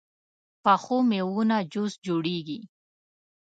پخو میوو نه جوس جوړېږي